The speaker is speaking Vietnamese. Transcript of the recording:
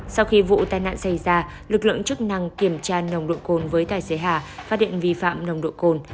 sau khi vụ tai nạn xảy ra lực lượng chức năng kiểm tra nồng độ cồn với tài xế hà phát hiện vi phạm nồng độ cồn